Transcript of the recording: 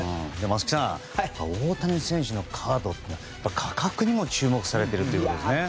松木さん大谷選手のカードの価格にも注目されているってことですね。